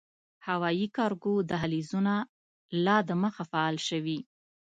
هوايي کارګو دهلېزونه لا دمخه “فعال” شوي